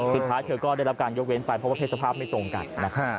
สุดท้ายเธอก็ได้รับการยกเว้นไปเพราะว่าเพศสภาพไม่ตรงกัน